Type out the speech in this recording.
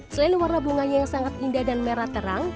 selain warna bunganya yang sangat indah dan merah terang